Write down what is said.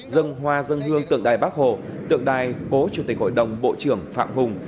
dân hoa dân hương tượng đài bắc hồ tượng đài cố chủ tịch hội đồng bộ trưởng phạm hùng